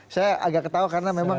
saya agak ketawa karena memang